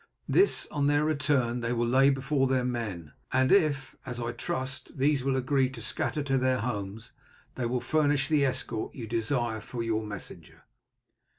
This, on their return, they will lay before their men, and if, as I trust, these will agree to scatter to their homes, they will furnish the escort you desire for your messenger."